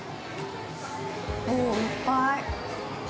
おぉ、いっぱい！